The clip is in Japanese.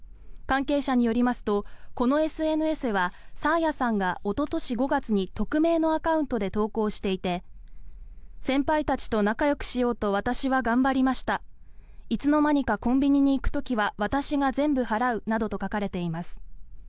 関係者によりますとこのＳＮＳは爽彩さんがおととし５月に匿名のアカウントで投稿していて先輩たちと仲よくしようと私は頑張りましたいつの間にかコンビニに行く時は私が全部払うなどと書かれています。